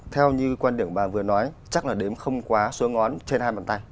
theo như quan điểm bà vừa nói chắc là đếm không quá số ngón trên hai bàn tay